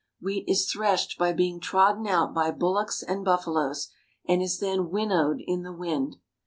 Wheat is threshed by being trodden out by bullocks and buffaloes, and is then winnowed in the wind.